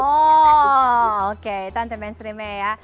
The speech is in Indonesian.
oh oke itu anti mainstreamnya ya